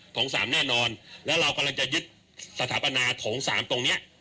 สามแน่นอนแล้วเรากำลังจะยึดสถาปนาโถงสามตรงเนี้ย